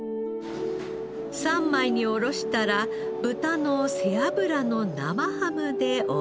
三枚に下ろしたら豚の背脂の生ハムで覆います。